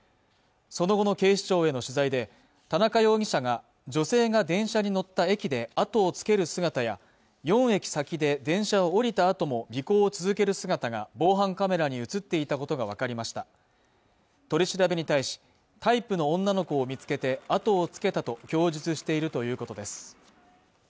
その後の警視庁への取材で田中容疑者が女性が電車に乗った駅であとをつける姿や４駅先で電車を降りたあとも尾行を続ける姿が防犯カメラに映っていたことが分かりました取り調べに対しタイプの女の子を見つけてあとをつけたと供述しているということです